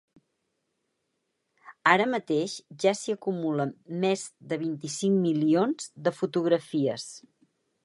Ara mateix ja s’hi acumulen més de vint-i-cinc milions de fotografies.